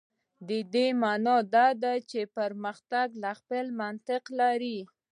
د دې معنا دا ده چې پرمختګ خپل منطق لري.